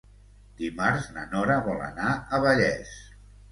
Dimarts na Nora vol anar a Vallés.